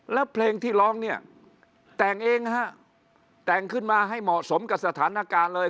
แล้วเพลงที่ร้องเนี่ยแต่งเองฮะแต่งขึ้นมาให้เหมาะสมกับสถานการณ์เลย